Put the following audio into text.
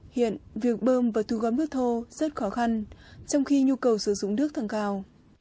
hiện việc bơm và thu gom nước thô rất khó khăn trong khi nhu cầu sử dụng nước tăng cao